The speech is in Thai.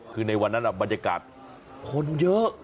คือในวันนั้นบรรยากาศคนเยอะ